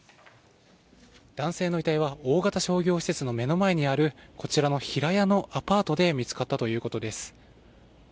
男性の遺体は、大型商業施設の目の前にある、こちらの平屋のアパートで見つかったということです。